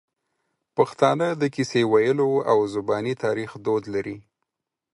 پښتانه د کیسې ویلو او زباني تاریخ دود لري.